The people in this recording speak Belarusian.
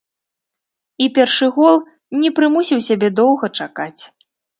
І першы гол не прымусіў сябе доўга чакаць.